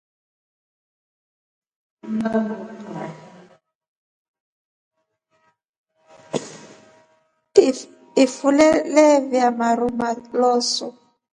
Ifuve lelya maru malosu.